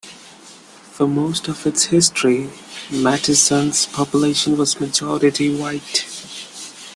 For most of its history, Matteson's population was majority white.